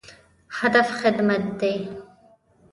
هدف خدمت دی